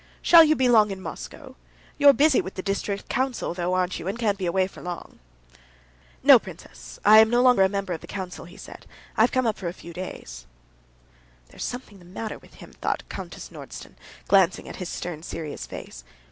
"Shall you be long in Moscow? You're busy with the district council, though, aren't you, and can't be away for long?" "No, princess, I'm no longer a member of the council," he said. "I have come up for a few days." "There's something the matter with him," thought Countess Nordston, glancing at his stern, serious face.